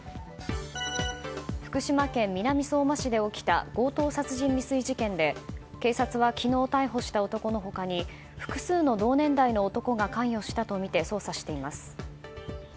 福島県南相馬市で起きた強盗殺人未遂事件で警察は昨日、逮捕した男の他に複数の同年代の男が関与したとみて捜査しています。